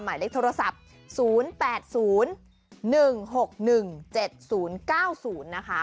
หมายเลขโทรศัพท์๐๘๐๑๖๑๗๐๙๐นะคะ